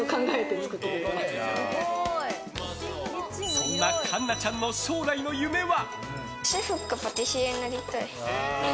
そんな、栞奈ちゃんの将来の夢は。